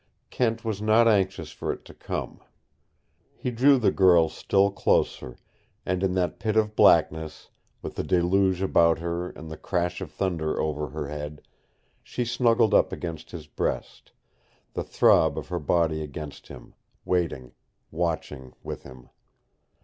Kent was not anxious for it to come. He drew the girl still closer, and in that pit of blackness, with the deluge about her and the crash of thunder over her head, she snuggled up against his breast, the throb of her body against him, waiting, watching, with him.